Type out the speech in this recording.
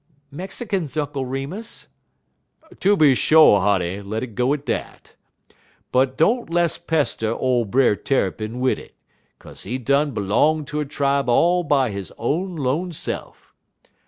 "Mexicans, Uncle Remus." "Tooby sho', honey; let it go at dat. But don't less pester ole Brer Tarrypin wid it, 'kaze he done b'long ter a tribe all by he own 'lone se'f.